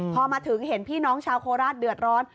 พอมาถึงเห็นพี่น้องชาวโคราชเดือดร้อน